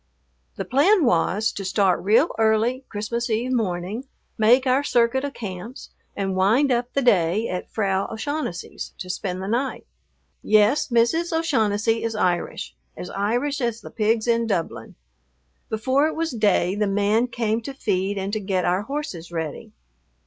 The plan was, to start real early Christmas Eve morning, make our circuit of camps, and wind up the day at Frau O'Shaughnessy's to spend the night. Yes, Mrs. O'Shaughnessy is Irish, as Irish as the pigs in Dublin. Before it was day the man came to feed and to get our horses ready.